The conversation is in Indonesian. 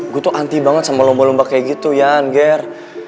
gua tuh anti banget sama lomba lomba kayak gitu yan ger